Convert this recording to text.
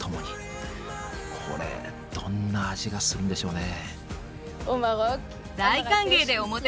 これどんな味がするんでしょうね。